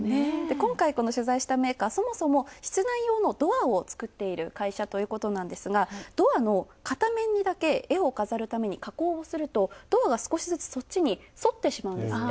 今回取材したメーカーはそもそも室内用のドアを作っている会社ということなんですが、ドアの片面にだけ絵を飾るために加工をするとドアが少しずつそっちに、そってしまうんですって。